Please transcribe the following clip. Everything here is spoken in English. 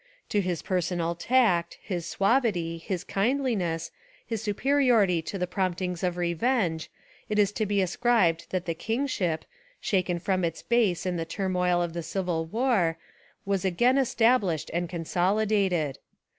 To his personal tact, his suavity, his kindliness, his superiority to the promptings of revenge. It Is to be ascribed that the kingship, shaken from its base in the turmoil of the Civil war, was again established and consolidated.